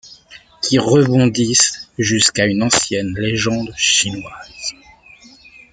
Qui rebondissent jusqu’à une ancienne légende chinoise.